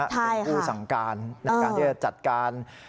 เป็นผู้สั่งการในการที่จะจัดการ